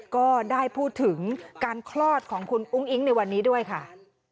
ก็ได้พูดถึงการคลอดของคุณอุ้งอิ๊งในวันนี้ด้วยค่ะ